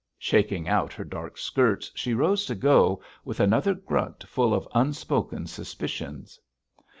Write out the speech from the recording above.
Shaking out her dark skirts she rose to go, with another grunt full of unspoken suspicions.